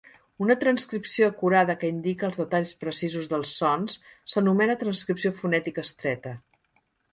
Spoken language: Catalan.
Una transcripció acurada que indica els detalls precisos dels sons s'anomena "transcripció fonètica estreta".